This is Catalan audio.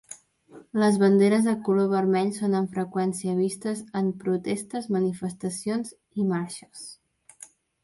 Les banderes de color vermell són amb freqüència vistes en protestes, manifestacions i marxes.